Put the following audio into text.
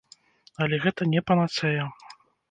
Але гэта не панацэя.